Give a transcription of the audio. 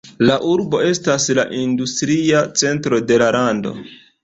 La urbo estas la industria centro de la lando.